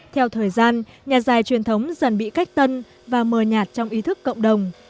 theo thời gian nhà dài truyền thống dần bị cách tân và mờ nhạt trong ý thức cộng đồng